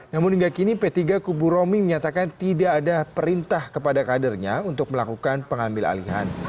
namun hingga kini p tiga kubu romi menyatakan tidak ada perintah kepada kadernya untuk melakukan pengambil alihan